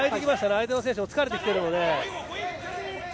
相手の選手も疲れてきているので。